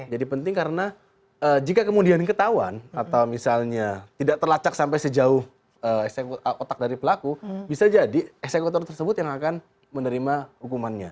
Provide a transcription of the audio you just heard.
jadi penting karena jika kemudian ketahuan atau misalnya tidak terlacak sampai sejauh otak dari pelaku bisa jadi eksekutor tersebut yang akan menerima hukumannya